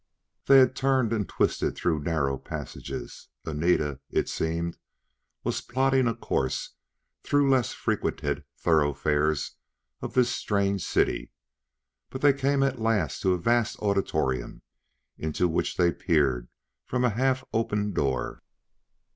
They had turned and twisted through narrow passages. Anita, it seemed, was plotting a course through less frequented thoroughfares of this strange city. But they came at last to a vast auditorium into which they peered from a half opened door.